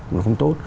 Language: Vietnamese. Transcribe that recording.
nó không tốt